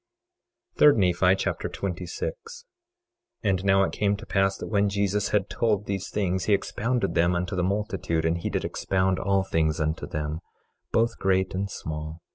3 Nephi Chapter 26 26:1 And now it came to pass that when Jesus had told these things he expounded them unto the multitude; and he did expound all things unto them, both great and small.